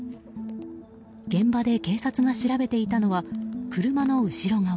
現場で警察が調べていたのは車の後ろ側。